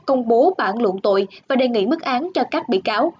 công bố bản luận tội và đề nghị mức án cho các bị cáo